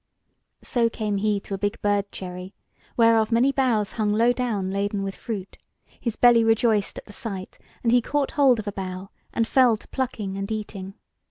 So came he to a big bird cherry, whereof many boughs hung low down laden with fruit: his belly rejoiced at the sight, and he caught hold of a bough, and fell to plucking and eating.